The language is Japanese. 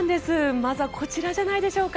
まずはこちらじゃないでしょうか。